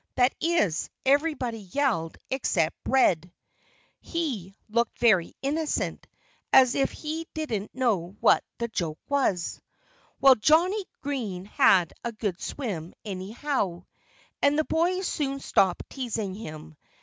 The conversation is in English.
That is, everybody yelled except Red. He looked very innocent, as if he didn't know what the joke was. Well, Johnnie Green had a good swim, anyhow. And the boys soon stopped teasing him.